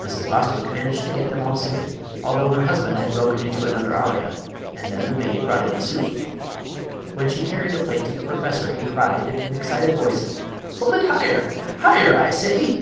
Mrs. Bostwick managed to get them all seated, although her husband had broken into another aria; and then the maid brought in the soup. When she carried a plate to the professor, he cried, in an excited voice: "Hold it higher! Higher—I say!"